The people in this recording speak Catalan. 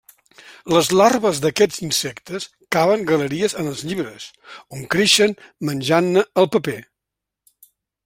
Les larves d’aquests insectes caven galeries en els llibres, on creixen menjant-ne el paper.